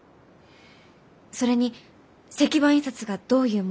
それに石版印刷がどういうものか